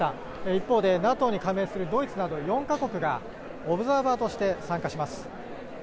一方でＮＡＴＯに加盟するドイツなど４か国がオブザーバーとして参加します。